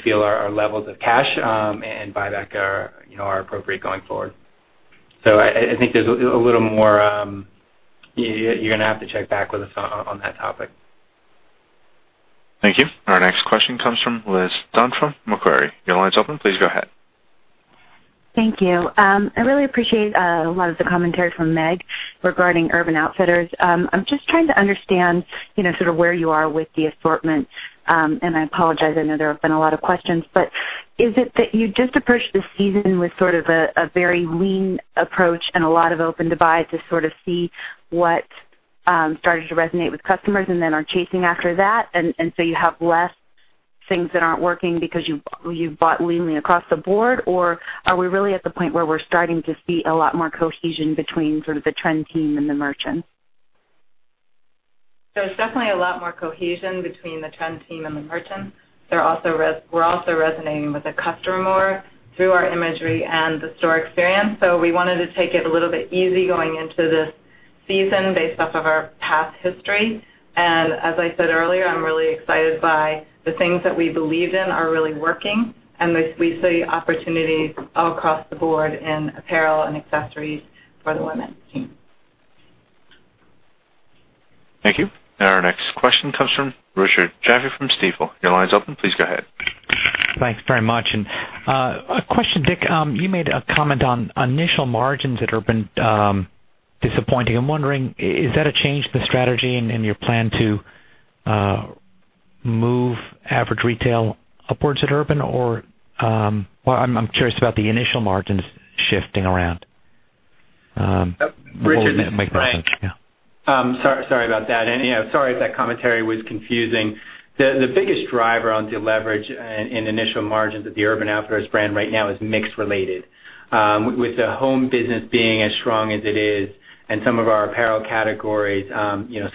feel our levels of cash and buyback are appropriate going forward. I think there's a little more You're going to have to check back with us on that topic. Thank you. Our next question comes from Liz Dunn from Macquarie. Your line's open. Please go ahead. Thank you. I really appreciate a lot of the commentary from Meg regarding Urban Outfitters. I'm just trying to understand sort of where you are with the assortment. I apologize, I know there have been a lot of questions. Is it that you just approached the season with sort of a very lean approach and a lot of open-to-buy to sort of see what started to resonate with customers and then are chasing after that, and so you have less things that aren't working because you've bought leanly across the board? Or are we really at the point where we're starting to see a lot more cohesion between sort of the trend team and the merchants? There's definitely a lot more cohesion between the trend team and the merchants. We're also resonating with the customer more through our imagery and the store experience. We wanted to take it a little bit easy going into this season based off of our past history. As I said earlier, I'm really excited by the things that we believed in are really working, and we see opportunities all across the board in apparel and accessories for the women's team. Thank you. Our next question comes from Richard Jaffe from Stifel. Your line's open. Please go ahead. Thanks very much. A question, Dick, you made a comment on initial margins at Urban disappointing. I'm wondering, is that a change to strategy in your plan to move average retail upwards at Urban? Well, I'm curious about the initial margins shifting around. Richard. Make more sense. Yeah. Sorry about that. Yeah, sorry if that commentary was confusing. The biggest driver on deleverage in initial margins at the Urban Outfitters brand right now is mix-related. With the home business being as strong as it is and some of our apparel categories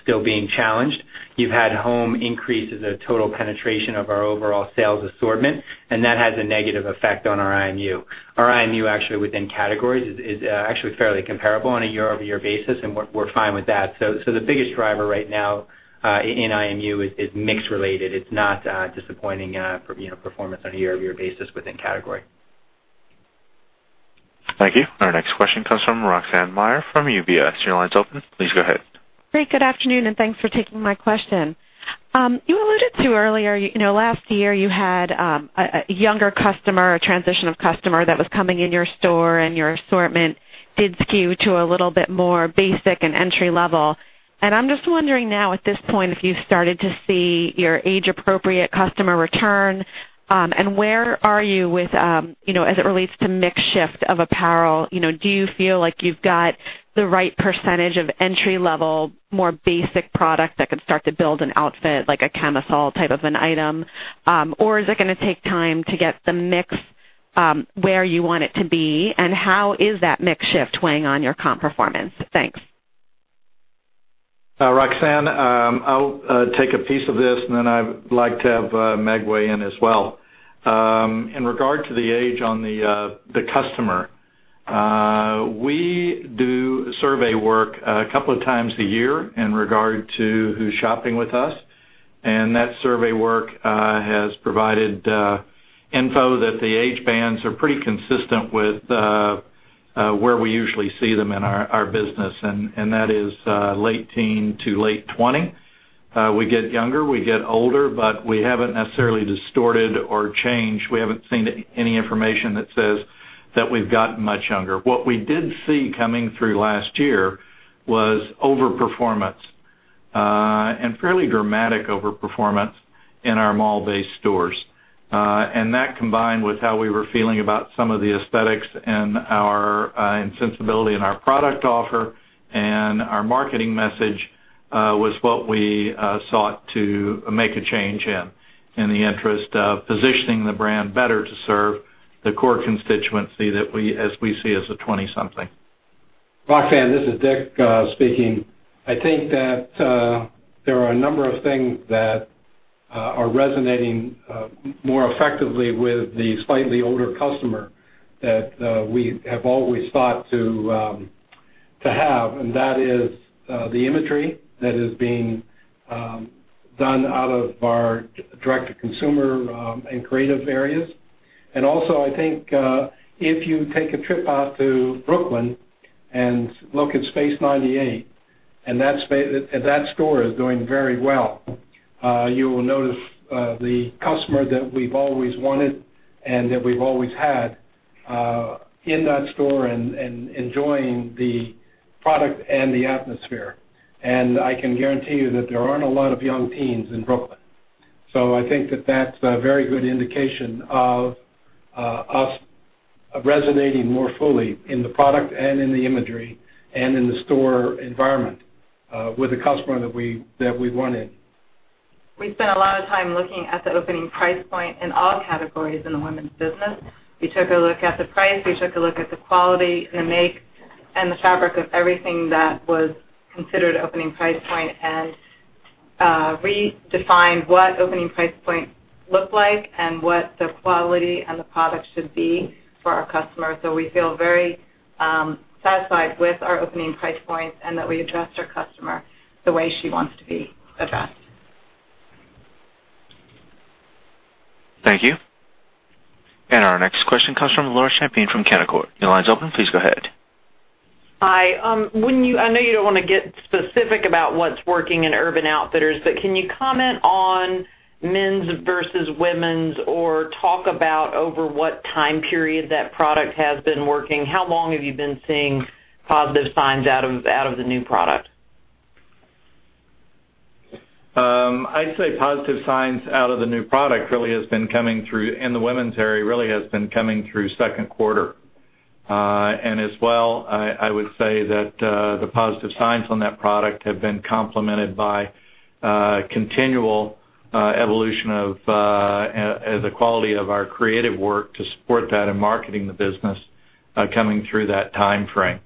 still being challenged, you've had home increase as a total penetration of our overall sales assortment, and that has a negative effect on our IMU. Our IMU actually within categories is actually fairly comparable on a year-over-year basis, and we're fine with that. The biggest driver right now in IMU is mix related. It's not disappointing performance on a year-over-year basis within category. Thank you. Our next question comes from Roxanne Meyer from UBS. Your line's open. Please go ahead. Great. Good afternoon, thanks for taking my question. You alluded to earlier, last year, you had a younger customer, a transition of customer that was coming in your store, and your assortment did skew to a little bit more basic and entry-level. I'm just wondering now at this point, if you started to see your age-appropriate customer return. Where are you as it relates to mix shift of apparel. Do you feel like you've got the right percentage of entry-level, more basic product that could start to build an outfit, like a camisole type of an item? Is it going to take time to get the mix where you want it to be? How is that mix shift weighing on your comp performance? Thanks. Roxanne, I'll take a piece of this. Then I'd like to have Meg weigh in as well. In regard to the age on the customer, we do survey work a couple of times a year in regard to who's shopping with us, that survey work has provided info that the age bands are pretty consistent with where we usually see them in our business, and that is late teen to late 20. We get younger, we get older, but we haven't necessarily distorted or changed. We haven't seen any information that says that we've gotten much younger. What we did see coming through last year was over-performance, fairly dramatic over-performance in our mall-based stores. That combined with how we were feeling about some of the aesthetics and sensibility in our product offer and our marketing message, was what we sought to make a change in the interest of positioning the brand better to serve the core constituency as we see as a 20-something. Roxanne, this is Dick speaking. I think that there are a number of things that are resonating more effectively with the slightly older customer that we have always sought to have. That is the imagery that is being done out of our direct-to-consumer and creative areas. Also, I think if you take a trip out to Brooklyn and look at Space Ninety 8, that store is doing very well. You will notice the customer that we've always wanted and that we've always had in that store and enjoying the product and the atmosphere. I can guarantee you that there aren't a lot of young teens in Brooklyn. I think that that's a very good indication of us resonating more fully in the product and in the imagery and in the store environment with a customer that we wanted. We spent a lot of time looking at the opening price point in all categories in the women's business. We took a look at the price. We took a look at the quality, the make, and the fabric of everything that was considered opening price point and redefined what opening price point looked like and what the quality and the product should be for our customers. We feel very satisfied with our opening price points and that we addressed our customer the way she wants to be addressed. Thank you. Our next question comes from Laura Champine from Canaccord. Your line is open. Please go ahead. Hi. I know you don't want to get specific about what's working in Urban Outfitters, can you comment on men's versus women's or talk about over what time period that product has been working. How long have you been seeing positive signs out of the new product? I'd say positive signs out of the new product really has been coming through in the women's area, really has been coming through second quarter. As well, I would say that the positive signs on that product have been complemented by continual evolution of the quality of our creative work to support that and marketing the business coming through that timeframe.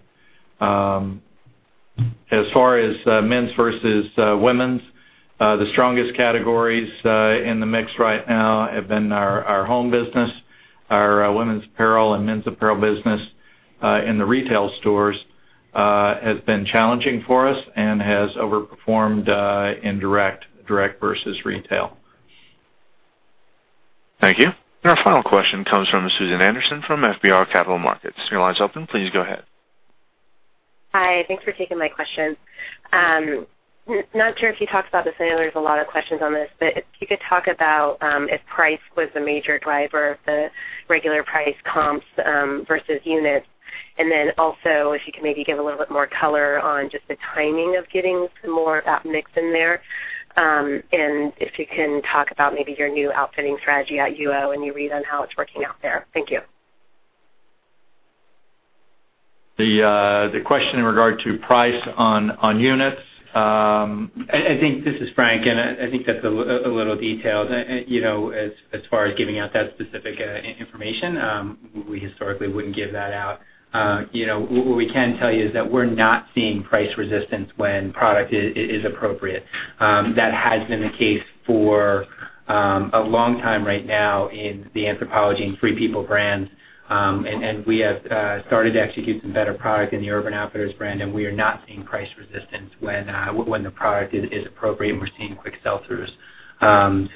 As far as men's versus women's, the strongest categories in the mix right now have been our home business. Our women's apparel and men's apparel business in the retail stores has been challenging for us and has overperformed in direct versus retail. Thank you. Our final question comes from Susan Anderson from FBR Capital Markets. Your line is open. Please go ahead. Hi. Thanks for taking my question. Not sure if you talked about this earlier, there's a lot of questions on this, if you could talk about if price was the major driver of the regular price comps versus units, also if you could maybe give a little bit more color on just the timing of getting some more of that mix in there. If you can talk about maybe your new outfitting strategy at UO and your read on how it's working out there. Thank you. The question in regard to price on units. This is Frank. I think that's a little detailed. As far as giving out that specific information, we historically wouldn't give that out. What we can tell you is that we're not seeing price resistance when product is appropriate. That has been the case for a long time right now in the Anthropologie and Free People brands. We have started to execute some better product in the Urban Outfitters brand, and we are not seeing price resistance when the product is appropriate, and we're seeing quick sell-throughs. I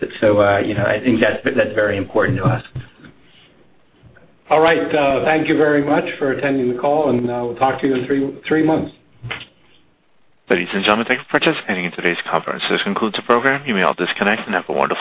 think that's very important to us. All right. Thank you very much for attending the call, and we'll talk to you in three months. Ladies and gentlemen, thank you for participating in today's conference. This concludes the program. You may all disconnect and have a wonderful day.